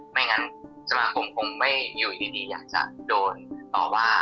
ไม่งั้นสมาคมคงไม่อยู่ยินดีอยากจะโดนต่อว่า